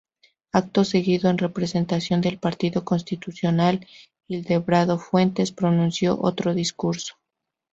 Acto seguido en representación del Partido Constitucional, Hildebrando Fuentes pronunció otro discurso.